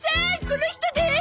この人です！